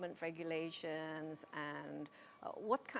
dengan peraturan pemerintah